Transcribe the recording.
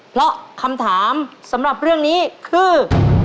เพราะคำถามสำหรับเรื่องนี้คือ